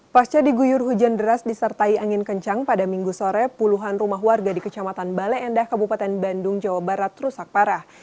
pasca diguyur hujan deras disertai angin kencang pada minggu sore puluhan rumah warga di kecamatan bale endah kabupaten bandung jawa barat rusak parah